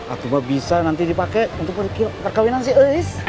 aku mbak bisa nanti dipake untuk perikil perkahwinan si elis